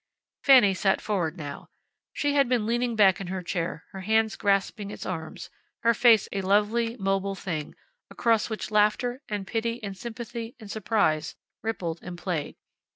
Fanny sat forward now. She had been leaning back in her chair, her hands grasping its arms, her face a lovely, mobile thing, across which laughter, and pity, and sympathy and surprise rippled and played.